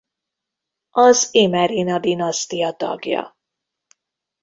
Az Imerina-dinasztia tagja.